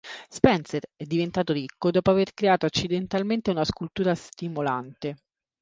Spencer è diventato ricco dopo aver creato accidentalmente una scultura stimolante.